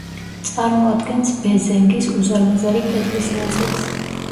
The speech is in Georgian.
წარმოადგენს ბეზენგის უზარმაზარი კედლის ნაწილს.